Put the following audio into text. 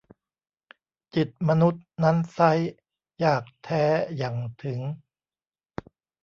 จิตมนุษย์นั้นไซร้ ยากแท้ หยั่งถึง